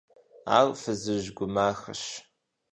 Ар фызыжь гу махэщ.